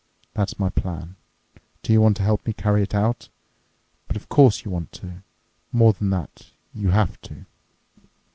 That's my plan. Do you want to help me carry it out? But, of course, you want to. More than that—you have to."